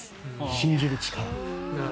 信じる力。